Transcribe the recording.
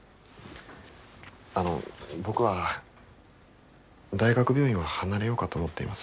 あの僕は大学病院は離れようかと思っています。